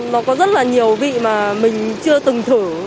nó có rất là nhiều vị mà mình chưa từng thử